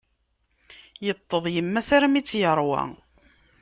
Iṭṭeḍ yemma-s armi i tt-iṛwa.